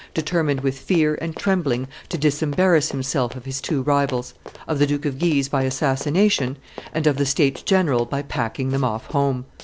determined with fear and trembling to disembarrass himself of his two rivals, of the Duke of Guise by assassination, and of the states general by packing them off home.